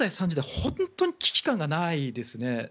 本当に危機感がないですね。